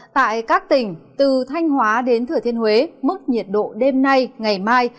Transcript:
tại các tỉnh từ thanh hóa đến thừa thiên huế mức nhiệt độ đêm nay ngày mai